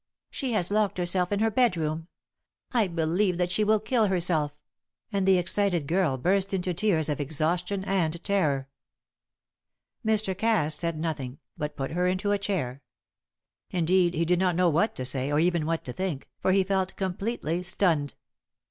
She has locked herself in her bedroom. I believe that she will kill herself!" and the excited girl burst into tears of exhaustion and terror. Mr. Cass said nothing, but put her into a chair. Indeed, he did not know what to say, or even what to think, for he felt completely stunned.